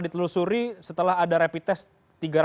ditelusuri setelah ada rapid test